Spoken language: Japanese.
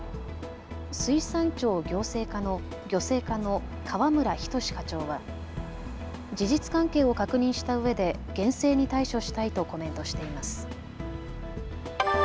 水産庁漁政課の河村仁課長は事実関係を確認したうえで厳正に対処したいとコメントしています。